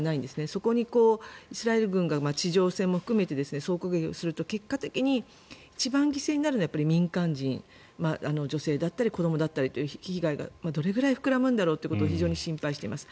そこにイスラエル軍が地上戦も含めて総攻撃すると結果的に一番犠牲になるのは民間人女性だったり子どもだったりという被害がどれぐらい膨らむんだろうということを非常に心配しています。